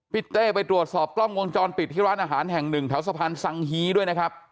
เต้ไปตรวจสอบกล้องวงจรปิดที่ร้านอาหารแห่งหนึ่งแถวสะพานสังฮีด้วยนะครับ